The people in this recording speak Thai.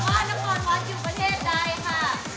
สัตว์ภาษาอยู่ประเทศใดค่ะ